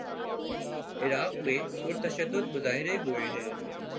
عراق میں پر تشدد مظاہرے ہوئے ہیں۔